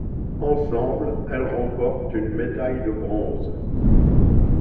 Ensemble, elles remportent une médaille de bronze.